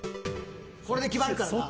これで決まるからな。